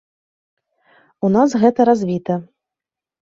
У нас гэта развіта.